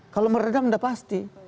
kalau meredam udah pasti